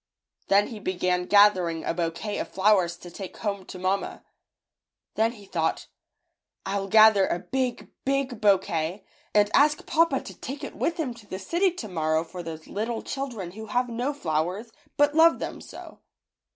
Then he began gathering a bouquet of flowers to take home to mamma. Then he thought, "Ifll gather a big, big bou quet, and ask papa to take it with him to the city tomorrow for those little children who have no flowers, but love them so."